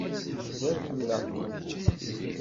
Mazal ḥemmleɣ-ken.